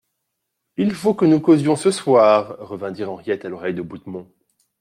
Il faut que nous causions ce soir, revint dire Henriette à l'oreille de Bouthemont.